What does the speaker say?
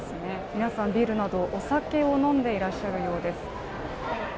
皆さんビールなどお酒を飲んでいらっしゃるようです。